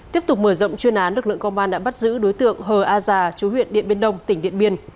tiếp tục mở rộng chuyên án lực lượng công an đã bắt giữ đối tượng hờ a già chú huyện điện biên đông tỉnh điện biên